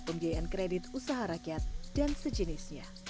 pembiayaan kredit usaha rakyat dan sejenisnya